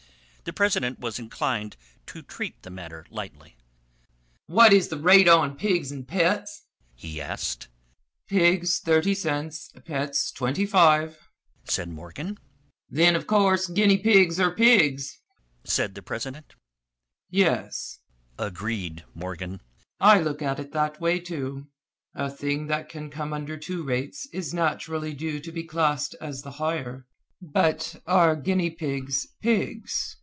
The president was inclined to treat the matter lightly. "What is the rate on pigs and on pets?" he asked. "Pigs thirty cents, pets twenty five," said Morgan. "Then of course guinea pigs are pigs," said the president. "Yes," agreed Morgan, "I look at it that way, too. A thing that can come under two rates is naturally due to be classed as the higher. But are guinea pigs, pigs?